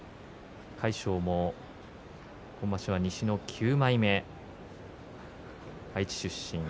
魁勝も今場所は西の９枚目愛知出身。